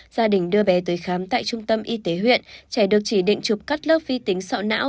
gia đình đưa bé tới khám tại trung tâm y tế huyện trẻ được chỉ định chụp cắt lớp vi tính sọ não